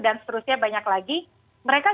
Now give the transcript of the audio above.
dan seterusnya banyak lagi mereka